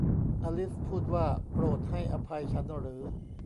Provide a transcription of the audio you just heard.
อลิซพูดว่า โปรดให้อภัยฉันหรือ